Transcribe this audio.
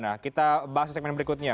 nah kita bahas di segmen berikutnya